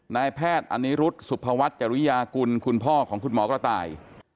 นายแพทย์อนิรุธสุภวัฒน์จริยากุลคุณพ่อของคุณหมอกระต่าย